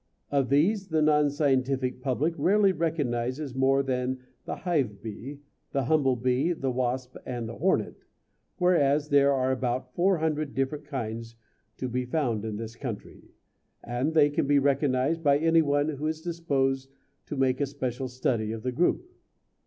Of these the non scientific public rarely recognizes more than the Hive Bee, the Humble Bee, the Wasp, and the Hornet, whereas there are about 400 different kinds to be found in this country, and they can be recognized by any one who is disposed to make a special study of the group.